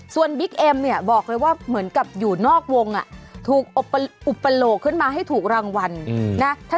ส่วนบิ๊กเอ็มเนี่ยบอกเลยว่าเหมือนกับอยู่นอกวงถูกอุปโลกขึ้นมาให้ถูกรางวัลนะ